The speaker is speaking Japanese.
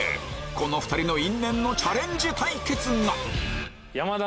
この２人の因縁のチャレンジ対決が！